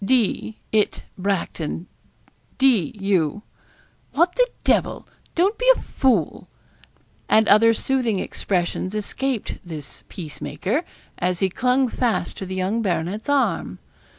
'D it, Bracton; d you, what the devil don't be a fool' and other soothing expressions escaped this peacemaker, as he clung fast to the young baronet's arm.